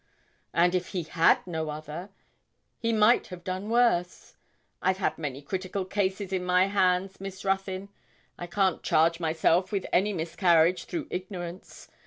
'And if he had no other, he might have done worse. I've had many critical cases in my hands, Miss Ruthyn. I can't charge myself with any miscarriage through ignorance.